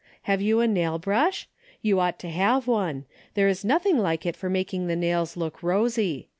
Have you a nail brush ? You ought to have one. There is nothing like it for making the nails look rosy.